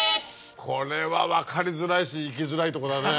これは分かりづらいし行きづらいとこだね。